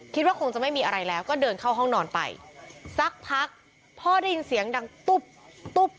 คิดว่าคงจะไม่มีอะไรแล้วก็เดินเข้าห้องนอนไปสักพักพ่อได้ยินเสียงดังตุ๊บตุ๊บ